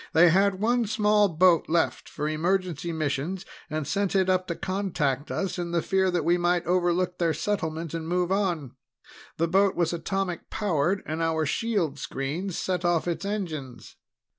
"They had one small boat left for emergency missions, and sent it up to contact us in the fear that we might overlook their settlement and move on. The boat was atomic powered, and our shield screens set off its engines."